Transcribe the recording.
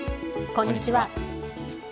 こんにちは。